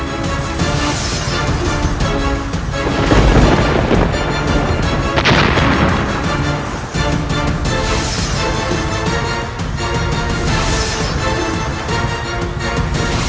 lebih baik aku kembali ke istana perjijan